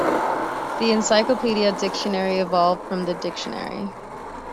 The encyclopedic dictionary evolved from the dictionary.